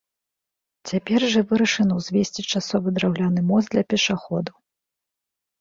Цяпер жа вырашана ўзвесці часовы драўляны мост для пешаходаў.